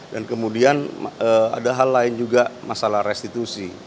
dan kemudian ada hal lain juga masalah restitusi